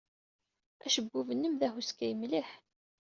Acebbub-nnem d ahuskay mliḥ.